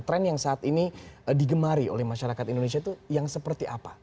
tren yang saat ini digemari oleh masyarakat indonesia itu yang seperti apa